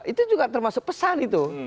itu juga termasuk pesan itu